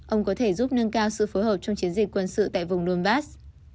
ông có thể giúp nâng cao sự phối hợp trong chiến dịch quân sự tại vùng donbass